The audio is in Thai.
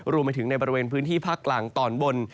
รวมไปถึงในบริเวณพื้นที่ภาคกลางตอนบน